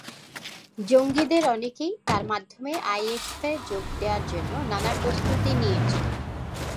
জঙ্গিদের অনেকেই তাঁর মাধ্যমে আইএসে যোগ দেওয়ার জন্য নানা প্রস্তুতি নিয়েছে।